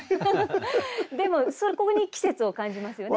でもそこに季節を感じますよね。